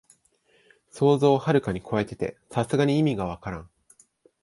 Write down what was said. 想像をはるかにこえてて、さすがに意味がわからん